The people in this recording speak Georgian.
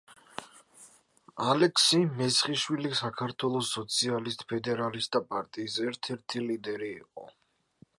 ალექსი-მესხიშვილი საქართველოს სოციალისტ-ფედერალისტთა პარტიის ერთ-ერთი ლიდერი იყო.